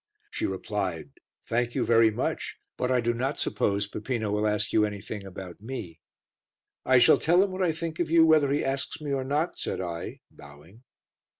She replied, "Thank you very much, but I do not suppose Peppino will ask you anything about me." "I shall tell him what I think of you whether he asks me or not," said I, bowing.